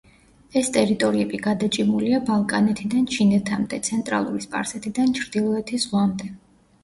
ეს ტერიტორიები გადაჭიმულია ბალკანეთიდან ჩინეთამდე, ცენტრალური სპარსეთიდან ჩრდილოეთის ზღვამდე.